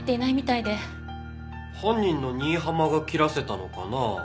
犯人の新浜が切らせたのかなあ？